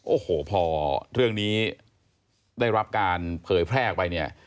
โอ้โหพอเรื่องนี้ได้รับการเผยแพร่ออกไปเนี่ย